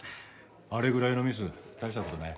あれぐらいのミス大した事ない。